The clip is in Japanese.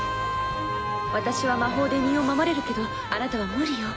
私は魔法で身を守れるけどあなたは無理よ。